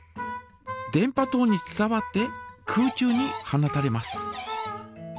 電波とうに伝わって空中に放たれます。